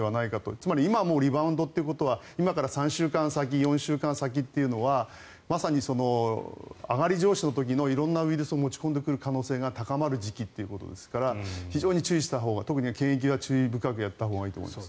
つまり、今リバウンドということは今から３週間、４週間先はまさに上がり調子の時の色んなウイルスを持ち込んでくる可能性が高まる時期ということですから非常に注意したほうが特に検疫は注意深くやったほうがいいと思います。